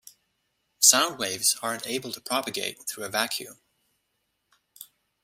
Sound waves aren't able to propagate through a vacuum.